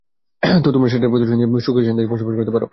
তো তোমরা সেটার প্রতিশোধ নিয়ে সুখে-শান্তিতে বসবাস করতে পারতে।